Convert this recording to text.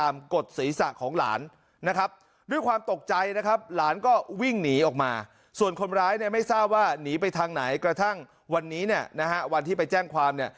ไม่ทราบว่าหนีไปทางไหนกระทั่งวันนี้วันที่ไปแจ้งความ